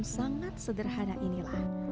sangat sederhana inilah